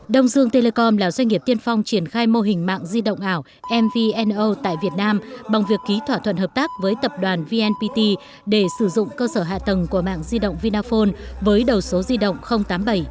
đông dương telecom là doanh nghiệp tiên phong triển khai mô hình mạng di động ảo mvno tại việt nam bằng việc ký thỏa thuận hợp tác với tập đoàn vnpt để sử dụng cơ sở hạ tầng của mạng di động vinaphone với đầu số di động tám mươi bảy